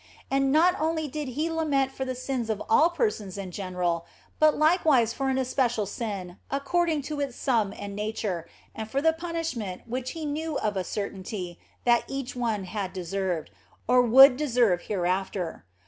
And not only did He lament for the sins of all persons in general, but likewise for each especial sin, according to its sum and nature, and for the punishment which He knew of a certainty that each one had deserved, or would deserve hereafter.